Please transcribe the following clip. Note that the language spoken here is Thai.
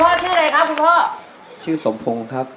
ชื่ออะไรครับคุณพ่อชื่อสมพงศ์ครับ